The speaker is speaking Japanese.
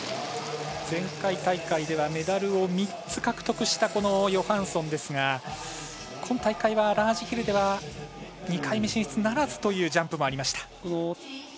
前回大会ではメダルを３つ獲得したこのヨハンソンですが今大会のラージヒルでは２回目進出ならずというジャンプもありました。